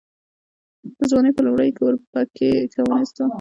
د ځوانۍ په لومړيو کې اورپکی کمونيسټ و.